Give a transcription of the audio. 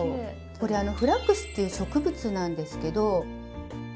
これ「フラックス」っていう植物なんですけど。